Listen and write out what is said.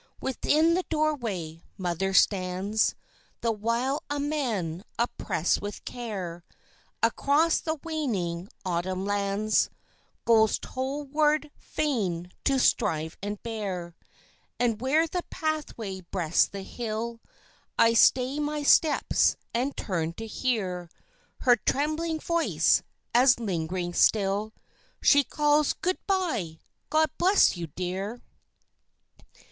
Within the doorway Mother stands, The while a man oppressed with care, Across the waning Autumn lands, Goes toil ward, fain to strive and bear; And where the pathway breasts the hill, I stay my steps and turn to hear Her trembling voice, as ling'ring still, She calls, "Good bye! God bless you, dear."